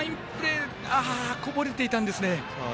こぼれていたんですね。